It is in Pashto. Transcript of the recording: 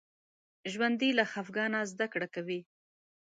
ژوندي له خفګانه زده کړه کوي